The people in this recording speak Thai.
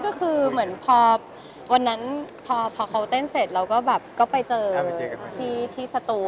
ก็คือเหมือนพอวันนั้นพอเขาเต้นเสร็จเราก็แบบก็ไปเจอที่สตู